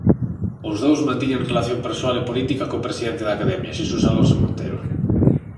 Os dous mantiñan relación persoal e política co presidente da Academia, Xesús Alonso Montero.